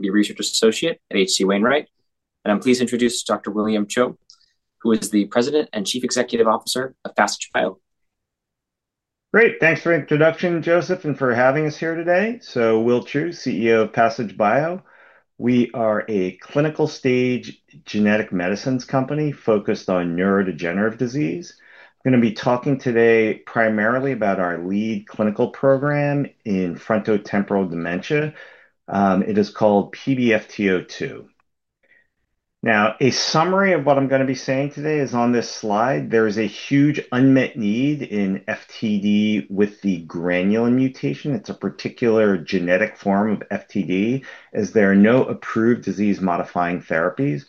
The Research Associate at HC Wainwright. Please introduce Dr. William (Will) Cho, who is the President and Chief Executive Officer of Passage Bio. Great, thanks for the introduction, Joseph, and for having us here today. Will Cho, CEO of Passage Bio. We are a clinical stage genetic medicines company focused on neurodegenerative disease. I'm going to be talking today primarily about our lead clinical program in frontotemporal dementia. It is called PBFT02. A summary of what I'm going to be saying today is on this slide. There is a huge unmet need in FTD with the GRN mutation. It's a particular genetic form of FTD, as there are no approved disease-modifying therapies.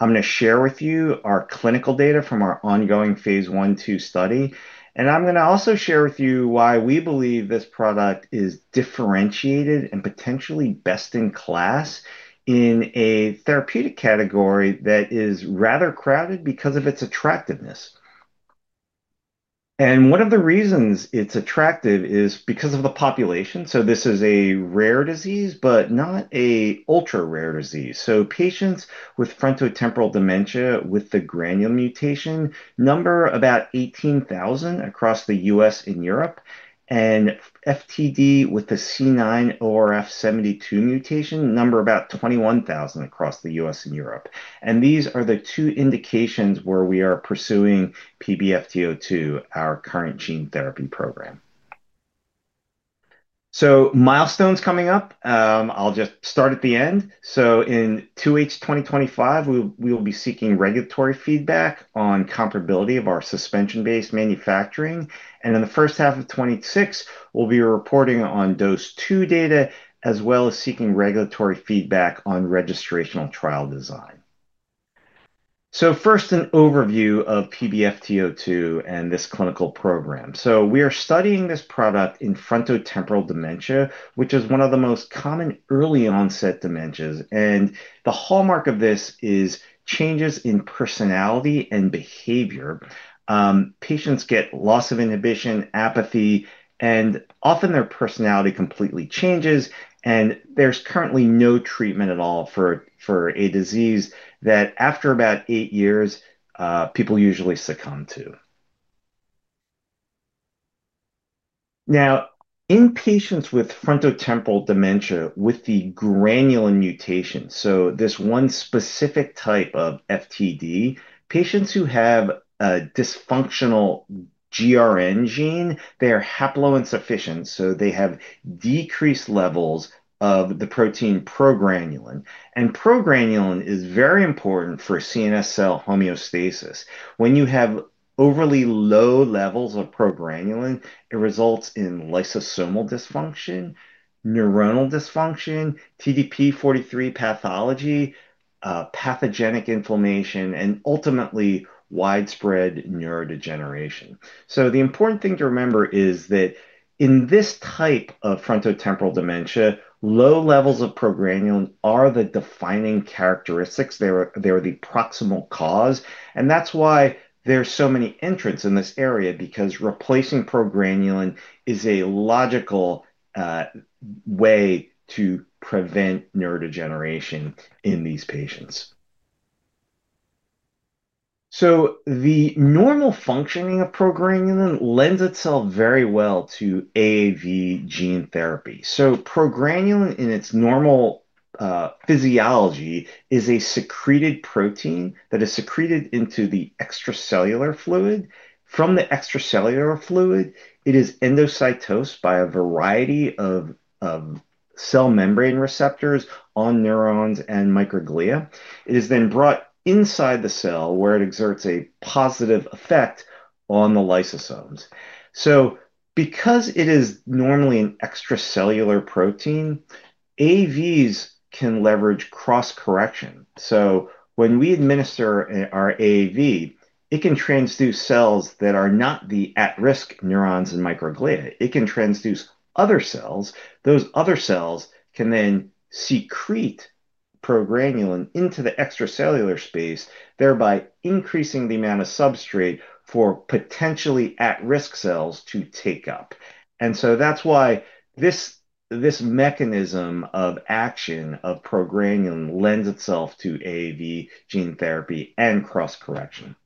I'm going to share with you our clinical data from our ongoing phase I-2 study. I'm also going to share with you why we believe this product is differentiated and potentially best in class in a therapeutic category that is rather crowded because of its attractiveness. One of the reasons it's attractive is because of the population. This is a rare disease, but not an ultra-rare disease. Patients with frontotemporal dementia with the GRN mutation number about 18,000 across the U.S. and Europe, and FTD with the C9orf72 mutation number about 21,000 across the U.S. and Europe. These are the two indications where we are pursuing PBFT02, our current gene therapy program. Milestones coming up. I'll just start at the end. In two week s 2025, we will be seeking regulatory feedback on comparability of our suspension-based manufacturing. In the first half of 2026, we'll be reporting on dose two data, as well as seeking regulatory feedback on registrational trial design. First, an overview of PBFT02 and this clinical program. We are studying this product in frontotemporal dementia, which is one of the most common early-onset dementias. The hallmark of this is changes in personality and behavior. Patients get loss of inhibition, apathy, and often their personality completely changes. There's currently no treatment at all for a disease that after about eight years, people usually succumb to. In patients with frontotemporal dementia with the GRN mutation, this one specific type of FTD, patients who have a dysfunctional GRN gene are haploinsufficient. They have decreased levels of the protein progranulin. Progranulin is very important for CNS cell homeostasis. When you have overly low levels of progranulin, it results in lysosomal dysfunction, neuronal dysfunction, TDP-43 pathology, pathogenic inflammation, and ultimately widespread neurodegeneration. The important thing to remember is that in this type of frontotemporal dementia, low levels of progranulin are the defining characteristics. They are the proximal cause. That's why there are so many entrants in this area, because replacing progranulin is a logical way to prevent neurodegeneration in these patients. The normal functioning of progranulin lends itself very well to AAV gene therapy. Progranulin in its normal physiology is a secreted protein that is secreted into the extracellular fluid. From the extracellular fluid, it is endocytosed by a variety of cell membrane receptors on neurons and microglia. It is then brought inside the cell where it exerts a positive effect on the lysosomes. Because it is normally an extracellular protein, AAVs can leverage cross-correction. When we administer our AAV, it can transduce cells that are not the at-risk neurons and microglia. It can transduce other cells. Those other cells can then secrete progranulin into the extracellular space, thereby increasing the amount of substrate for potentially at-risk cells to take up. That's why this mechanism of action of progranulin lends itself to AAV gene therapy and cross-correction.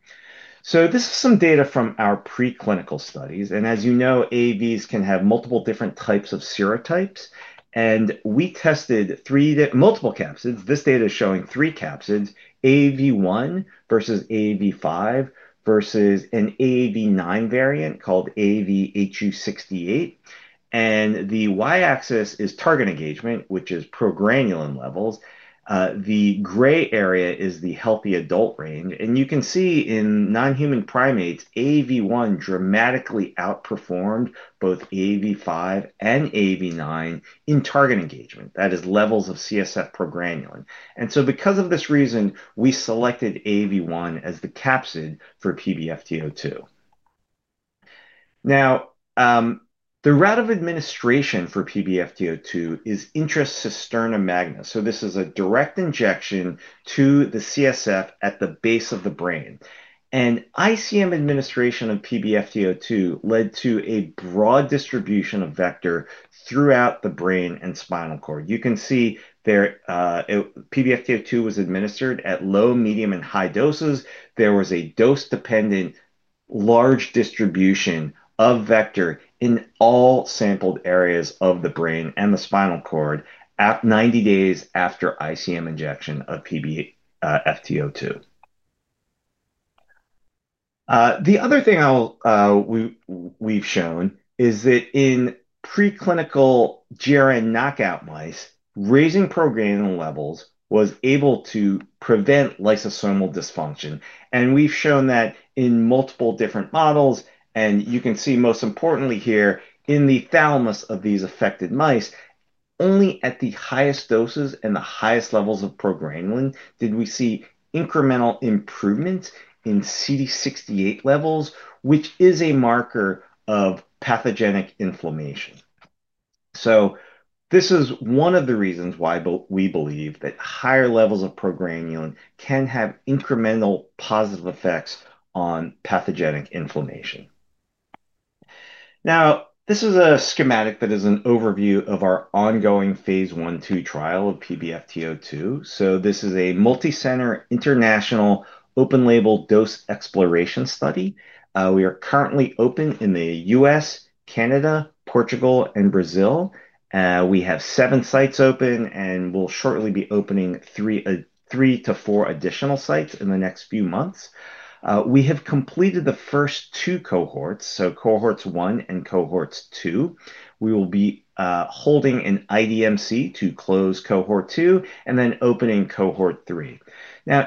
This is some data from our preclinical studies. As you know, AAVs can have multiple different types of serotypes. We tested multiple capsids. This data is showing three capsids, AAV1 versus AAV5 versus an AAV9 variant called AAVHU68. The y-axis is target engagement, which is progranulin levels. The gray area is the healthy adult range. You can see in non-human primates, AAV1 dramatically outperformed both AAV5 and AAV9 in target engagement. That is, levels of CSF progranulin. Because of this reason, we selected AAV1 as the capsid for PBFT02. The route of administration for PBFT02 is intracisterna magna. This is a direct injection to the CSF at the base of the brain. ICM administration of PBFT02 led to a broad distribution of vector throughout the brain and spinal cord. You can see PBFT02 was administered at low, medium, and high doses. There was a dose-dependent large distribution of vector in all sampled areas of the brain and the spinal cord at 90 days after ICM injection of PBFT02. The other thing we've shown is that in preclinical GRN knockout mice, raising progranulin levels was able to prevent lysosomal dysfunction. We've shown that in multiple different models. You can see most importantly here in the thalamus of these affected mice, only at the highest doses and the highest levels of progranulin did we see incremental improvement in CD68 levels, which is a marker of pathogenic inflammation. This is one of the reasons why we believe that higher levels of progranulin can have incremental positive effects on pathogenic inflammation. This is a schematic, but as an overview of our ongoing phase I-2 trial of PBFT02. This is a multicenter international open-label dose exploration study. We are currently open in the U.S., Canada, Portugal, and Brazil. We have seven sites open, and we will shortly be opening three to four additional sites in the next few months. We have completed the first two cohorts, so cohorts one and two. We will be holding an IDMC to close cohort two and then opening cohort three.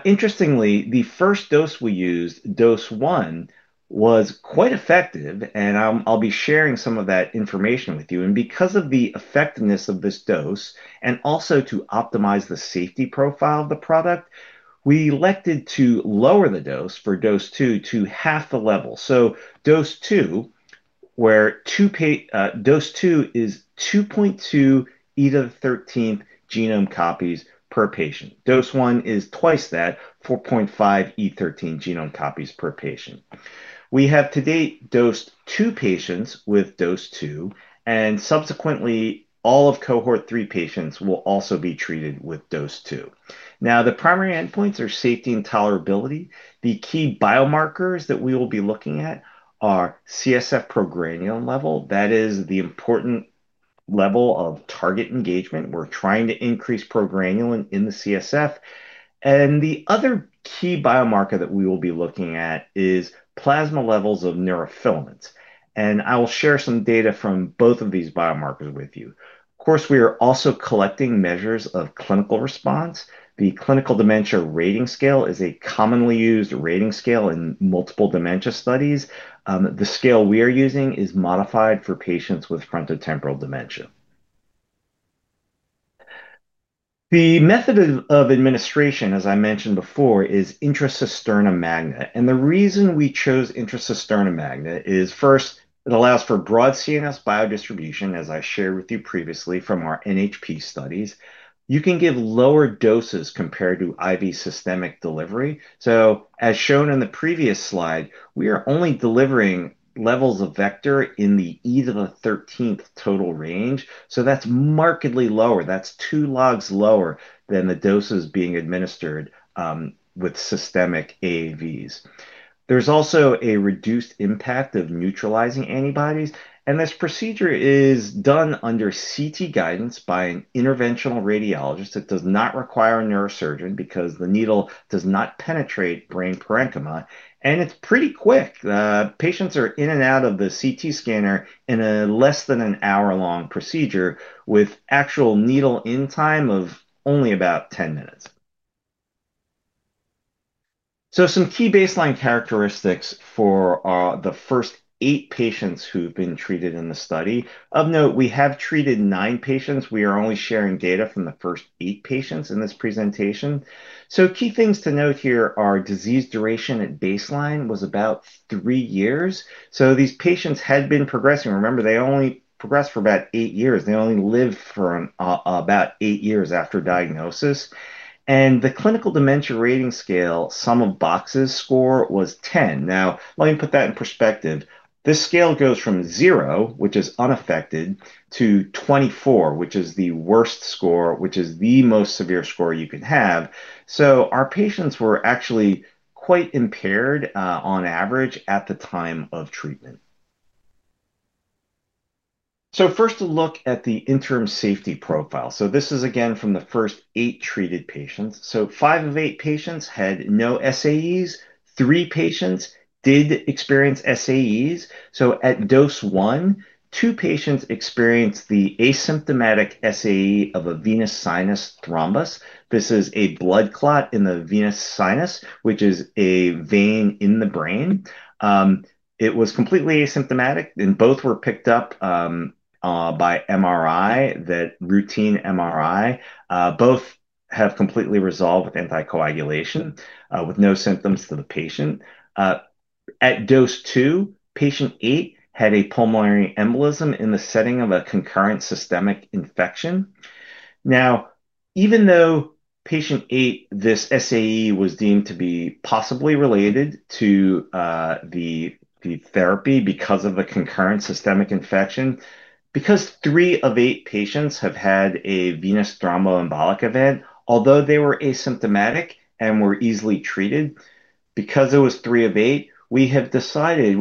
Interestingly, the first dose we used, dose one, was quite effective. I will be sharing some of that information with you. Because of the effectiveness of this dose, and also to optimize the safety profile of the product, we elected to lower the dose for dose two to half the level. Dose two is 2.2E13 genome copies per patient. Dose one is twice that, 4.5E13 genome copies per patient. To date, we have dosed two patients with dose two. Subsequently, all of cohort three patients will also be treated with dose two. The primary endpoints are safety and tolerability. The key biomarkers that we will be looking at are CSF progranulin level. That is the important level of target engagement. We are trying to increase progranulin in the CSF. The other key biomarker that we will be looking at is plasma levels of neurofilaments. I will share some data from both of these biomarkers with you. Of course, we are also collecting measures of clinical response. The clinical dementia rating scale is a commonly used rating scale in multiple dementia studies. The scale we are using is modified for patients with frontotemporal dementia. The method of administration, as I mentioned before, is intracisterna magna. The reason we chose intracisterna magna is first, it allows for broad CNS biodistribution, as I shared with you previously from our NHP studies. You can give lower doses compared to IV systemic delivery. As shown in the previous slide, we are only delivering levels of vector in the E13 total range. That is markedly lower. That's two logs lower than the doses being administered with systemic AAVs. There's also a reduced impact of neutralizing antibodies. This procedure is done under CT guidance by an interventional radiologist and does not require a neurosurgeon because the needle does not penetrate brain parenchyma. It's pretty quick. Patients are in and out of the CT scanner in less than an hour-long procedure with actual needle-in time of only about 10 minutes. Some key baseline characteristics for the first eight patients who have been treated in the study: of note, we have treated nine patients, but we are only sharing data from the first eight patients in this presentation. Key things to note here are disease duration at baseline was about three years, so these patients had been progressing. Remember, they only progressed for about eight years. They only lived for about eight years after diagnosis. The clinical dementia rating scale, sum of boxes score, was 10. Let me put that in perspective. This scale goes from zero, which is unaffected, to 24, which is the worst score, which is the most severe score you could have. Our patients were actually quite impaired on average at the time of treatment. First, a look at the interim safety profile. This is again from the first eight treated patients. Five of eight patients had no SAEs. Three patients did experience SAEs. At dose one, two patients experienced the asymptomatic SAE of a venous sinus thrombus. This is a blood clot in the venous sinus, which is a vein in the brain. It was completely asymptomatic, and both were picked up by routine MRI. Both have completely resolved with anticoagulation and no symptoms to the patient. At dose two, patient eight had a pulmonary embolism in the setting of a concurrent systemic infection. Even though patient eight, this SAE was deemed to be possibly related to the therapy because of a concurrent systemic infection, because three of eight patients have had a venous thromboembolic event, although they were asymptomatic and were easily treated, because it was three of eight, we have decided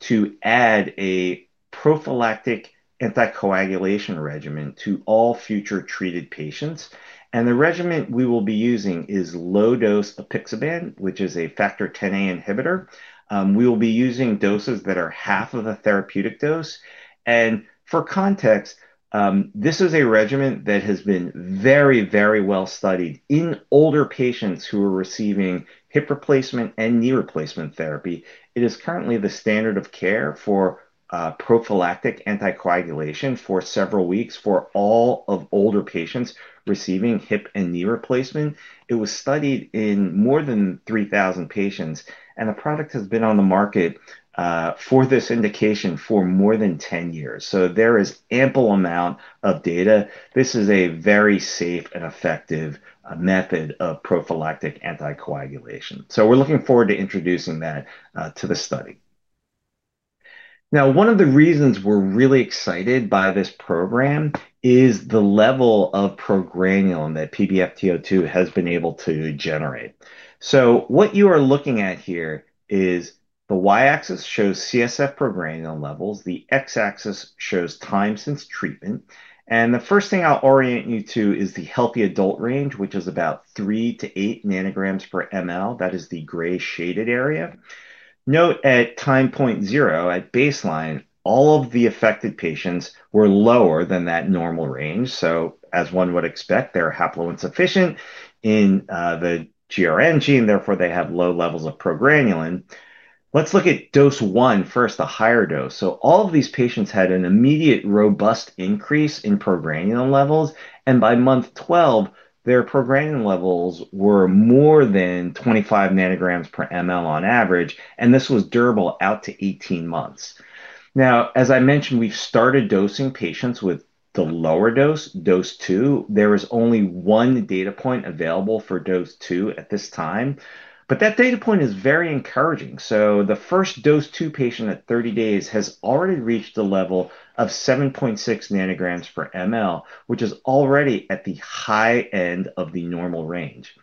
to add a prophylactic anticoagulation regimen to all future treated patients. The regimen we will be using is low-dose apixaban, which is a factor Xa inhibitor. We will be using doses that are half of a therapeutic dose. For context, this is a regimen that has been very, very well studied in older patients who are receiving hip replacement and knee replacement therapy. It is currently the standard of care for prophylactic anticoagulation for several weeks for all older patients receiving hip and knee replacement. It was studied in more than 3,000 patients, and the product has been on the market for this indication for more than 10 years. There is an ample amount of data. This is a very safe and effective method of prophylactic anticoagulation. We're looking forward to introducing that to the study. One of the reasons we're really excited by this program is the level of progranulin that PBFT02 has been able to generate. What you are looking at here is the y-axis shows CSF progranulin levels, the x-axis shows time since treatment. The first thing I'll orient you to is the healthy adult range, which is about 3- 8 ng per ml. That is the gray shaded area. Note at time point zero at baseline, all of the affected patients were lower than that normal range. As one would expect, they're haploinsufficient in the GRN gene, therefore they have low levels of progranulin. Let's look at dose one first, the higher dose. All of these patients had an immediate robust increase in progranulin levels, and by month 12, their progranulin levels were more than 25 ng per ml on average. This was durable out to 18 months. As I mentioned, we've started dosing patients with the lower dose, dose two. There is only one data point available for dose two at this time, but that data point is very encouraging. The first dose two patient at 30 days has already reached a level of 7.6 ng per ml, which is already at the high end of the normal range.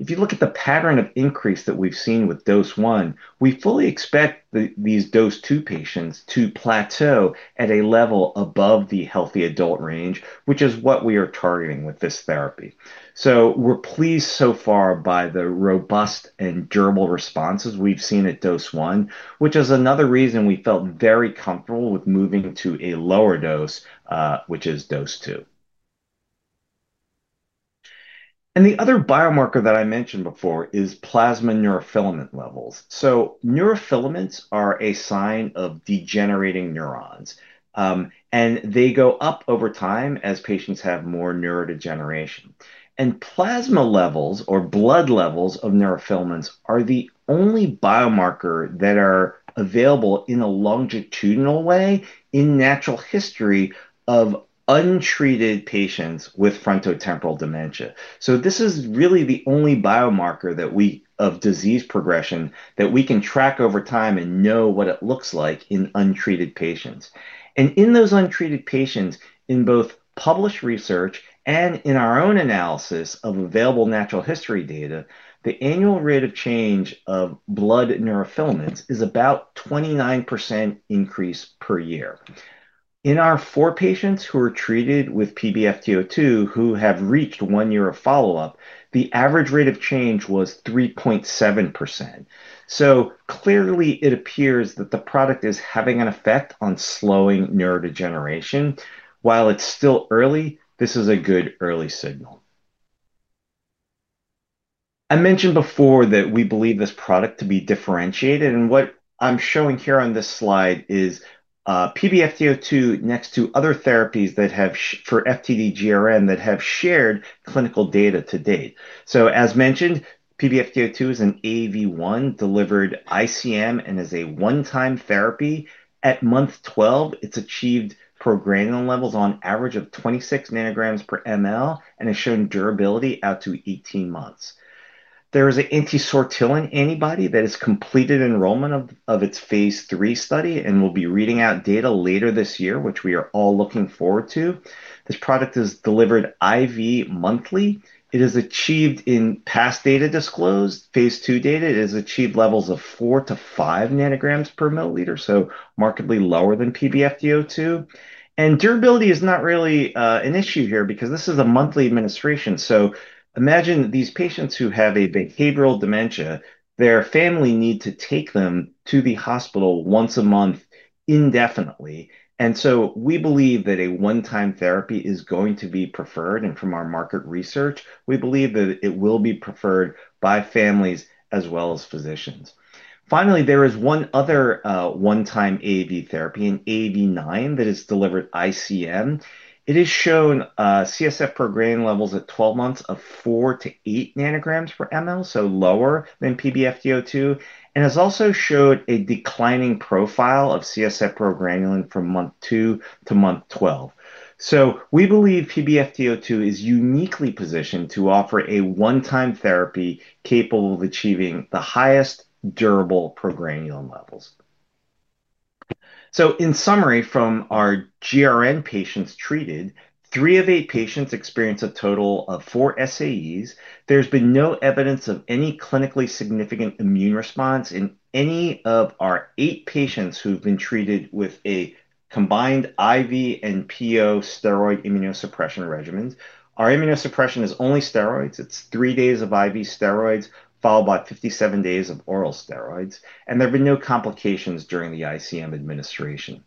If you look at the pattern of increase that we've seen with dose one, we fully expect these dose two patients to plateau at a level above the healthy adult range, which is what we are targeting with this therapy. We're pleased so far by the robust and durable responses we've seen at dose one, which is another reason we felt very comfortable with moving to a lower dose, which is dose two. The other biomarker that I mentioned before is plasma neurofilament levels. Neurofilaments are a sign of degenerating neurons, and they go up over time as patients have more neurodegeneration. Plasma levels, or blood levels, of neurofilaments are the only biomarker that are available in a longitudinal way in natural history of untreated patients with frontotemporal dementia. This is really the only biomarker of disease progression that we can track over time and know what it looks like in untreated patients. In those untreated patients, in both published research and in our own analysis of available natural history data, the annual rate of change of blood neurofilaments is about a 29% increase per year. In our four patients who were treated with PBFT02, who have reached one year of follow-up, the average rate of change was 3.7%. Clearly, it appears that the product is having an effect on slowing neurodegeneration. While it's still early, this is a good early signal. I mentioned before that we believe this product to be differentiated. What I'm showing here on this slide is PBFT02 next to other therapies for FTD GRN that have shared clinical data to date. As mentioned, PBFT02 is an AAV1 delivered ICM and is a one-time therapy. At month 12, it's achieved progranulin levels on average of 26 ng per ml, and it's shown durability out to 18 months. There is an antisortillin antibody that has completed enrollment of its phase three study and will be reading out data later this year, which we are all looking forward to. This product is delivered IV monthly. It has achieved, in past data disclosed, phase two data, levels of 4-5 nanograms per milliliter, so markedly lower than PBFT02. Durability is not really an issue here because this is a monthly administration. Imagine these patients who have a behavioral dementia, their family needs to take them to the hospital once a month indefinitely. We believe that a one-time therapy is going to be preferred. From our market research, we believe that it will be preferred by families as well as physicians. Finally, there is one other one-time AAV therapy, an AAV9 that is delivered ICM. It has shown CSF progranulin levels at 12 months of four to eight nanograms per ml, so lower than PBFT02, and has also showed a declining profile of CSF progranulin from month two to month 12. We believe PBFT02 is uniquely positioned to offer a one-time therapy capable of achieving the highest durable progranulin levels. In summary, from our GRN patients treated, three of eight patients experienced a total of four SAEs. There's been no evidence of any clinically significant immune response in any of our eight patients who have been treated with a combined IV and p.o. steroid immunosuppression regimen. Our immunosuppression is only steroids. It's three days of IV steroids followed by 57 days of oral steroids. There have been no complications during the ICM administration.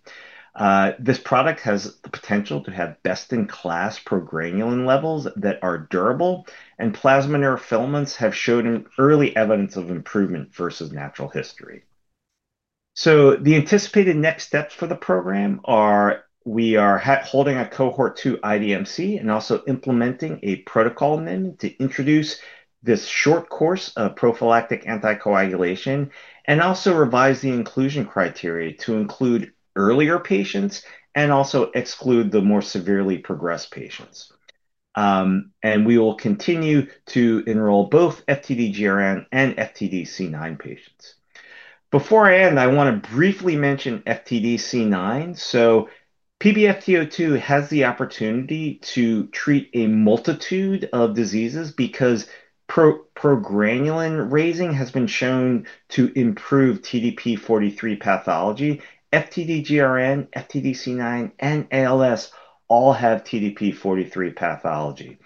This product has the potential to have best-in-class progranulin levels that are durable. Plasma neurofilaments have shown early evidence of improvement versus natural history. The anticipated next steps for the program are we are holding a cohort two IDMC and also implementing a protocol then to introduce this short course of prophylactic anticoagulation and also revise the inclusion criteria to include earlier patients and also exclude the more severely progressed patients. We will continue to enroll both FTD GRN and FTD C9 patients. Before I end, I want to briefly mention FTD C9. PBFT02 has the opportunity to treat a multitude of diseases because progranulin raising has been shown to improve TDP-43 pathology. FTD GRN, FTD C9, and ALS all have TDP-43 pathology.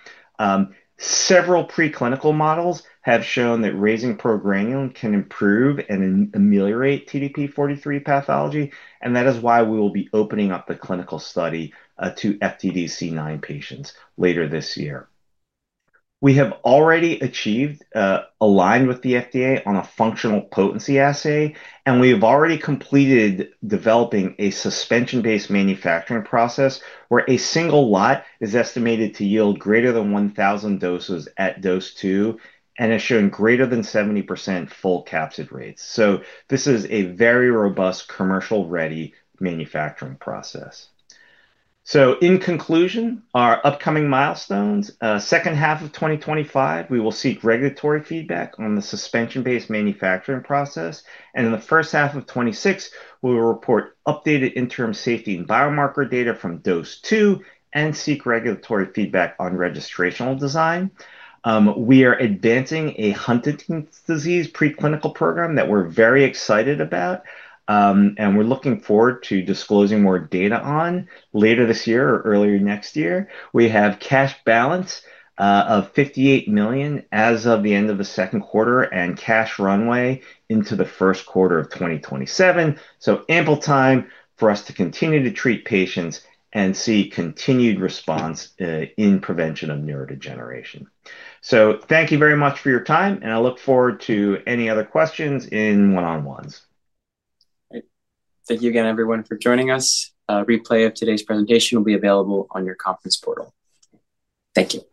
Several preclinical models have shown that raising progranulin can improve and ameliorate TDP-43 pathology. That is why we will be opening up a clinical study to FTD C9 patients later this year. We have already achieved, aligned with the FDA, on a functional potency assay. We have already completed developing a suspension-based manufacturing process where a single lot is estimated to yield greater than 1,000 doses at dose two and has shown greater than 70% full capsid rates. This is a very robust commercial-ready manufacturing process. In conclusion, our upcoming milestones: second half of 2025, we will seek regulatory feedback on the suspension-based manufacturing process. In the first half of 2026, we will report updated interim safety and biomarker data from dose two and seek regulatory feedback on registrational design. We are advancing a Huntington's disease preclinical program that we're very excited about. We're looking forward to disclosing more data on later this year or earlier next year. We have cash balance of $58 million as of the end of the second quarter and cash runway into the first quarter of 2027. Ample time for us to continue to treat patients and see continued response in prevention of neurodegeneration. Thank you very much for your time. I look forward to any other questions in one-on-ones. Thank you again, everyone, for joining us. A replay of today's presentation will be available on your conference portal. Thank you.